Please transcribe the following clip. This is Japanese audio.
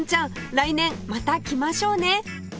来年また来ましょうね